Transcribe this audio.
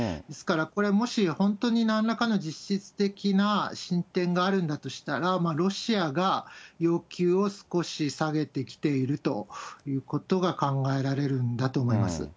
ですから、これ、もし本当になんらかの実質的な進展があるんだとしたら、ロシアが要求を少し下げてきているということが考えられるんだと思います。